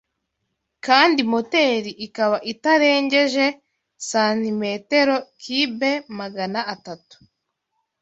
kandi moteri ikaba itarengeje santimetero kibe Magana atatu